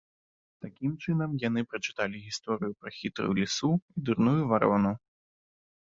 Такім чынам яны прачыталі гісторыю пра хітрую лісу і дурную варону.